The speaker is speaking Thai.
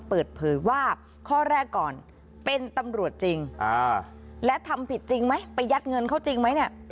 เปิดเผยว่าข้อแรกก่อนเป็นตำรวจจริงและทำผิดจริงไหมไปยัดเงินเขาจริงไหมเนี่ย